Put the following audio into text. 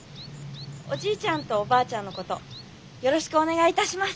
おじいちゃんとおばあちゃんのことよろしくお願いいたします。